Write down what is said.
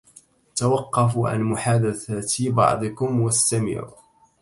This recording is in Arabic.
توقفوا عن محادثة بعضكم واستمعوا.